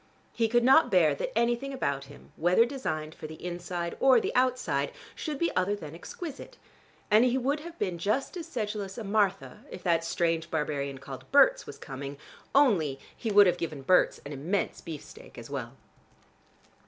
He could not bear that anything about him, whether designed for the inside or the outside, should be other than exquisite, and he would have been just as sedulous a Martha, if that strange barbarian called Berts was coming, only he would have given Berts an immense beefsteak as well.